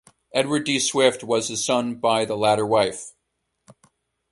Edward D. Swift was his son by the latter wife.